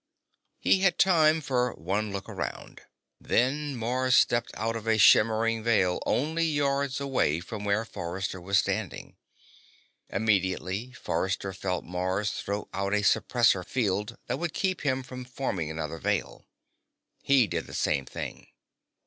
He had time for one look around. Then Mars stepped out of a shimmering Veil only yards away from where Forrester was standing. Immediately, Forrester felt Mars throw out a suppressor field that would keep him from forming another Veil. He did the same thing.